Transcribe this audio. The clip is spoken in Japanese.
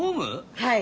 はい。